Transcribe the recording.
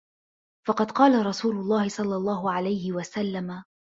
فَقَدْ قَالَ رَسُولُ اللَّهِ صَلَّى اللَّهُ عَلَيْهِ وَسَلَّمَ